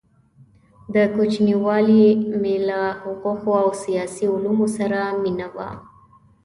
د كوچنیوالي مي له حقو قو او سیاسي علومو سره مینه وه؛